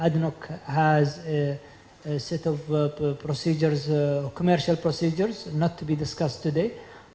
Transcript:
adnok memiliki beberapa prosedur perniagaan yang tidak akan didiskusikan hari ini